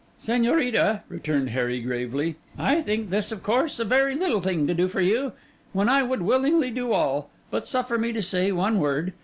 'Señorita,' returned Harry gravely, 'I think this, of course, a very little thing to do for you, when I would willingly do all. But suffer me to say one word.